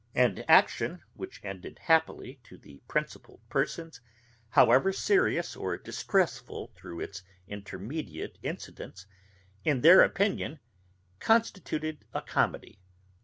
And action which ended happily to the principal persons, however serious or distressful through its intermediate incidents, in their opinion, constituted a comedy.